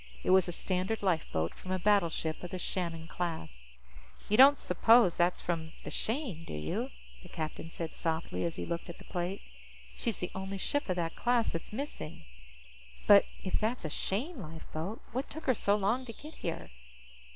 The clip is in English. It was a standard lifeboat from a battleship of the Shannon class. "You don't suppose that's from the Shane, do you?" the captain said softly as he looked at the plate. "She's the only ship of that class that's missing. But if that's a Shane lifeboat, what took her so long to get here?"